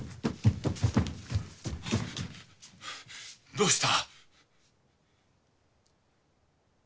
どうした？